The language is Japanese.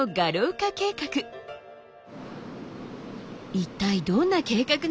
一体どんな計画なのか。